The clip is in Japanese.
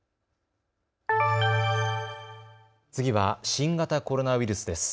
次は新型コロナウイルスです。